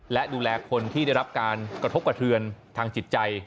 และดูแลคนที่ได้รับการกระทบกระเทือนทางจิตใจ